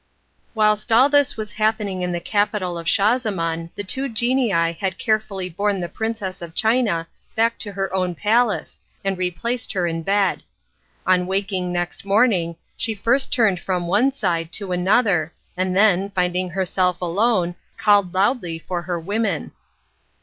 Whilst all this was happening in the capital of Schahzaman the two genii had carefully borne the Princess of China back to her own palace and replaced her in bed. On waking next morning she first turned from one side to another and then, finding herself alone, called loudly for her women.